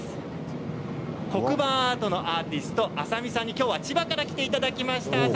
黒板アートのアーティストＡｓａｍｉさんにきょうは千葉から来ていただきました。